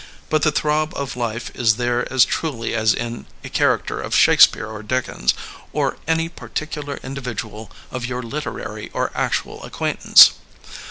But the throb of life is there as truly as in a character of Shakespeare or Dickens, or any par ticular individual of your literary or actual ac quaintance.